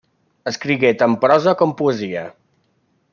Escrigué tant prosa com poesia.